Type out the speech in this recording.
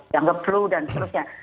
yang ngeblu dan seterusnya